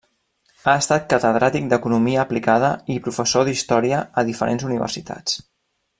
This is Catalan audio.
Ha estat Catedràtic d'Economia Aplicada i professor d'Història a diferents universitats.